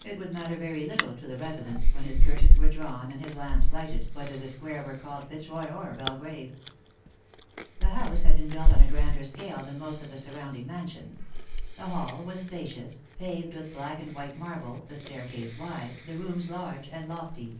It could matter very little to the resident, when his curtains were drawn and his lamps lighted, whether the square were called Fitzroy or Belgrave. The house had been built on a grander scale than most of the surrounding mansions ; the hall was spacious, paved with black and white marble, the staircase wide, the rooms large and lofty.